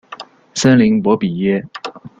森林博比耶。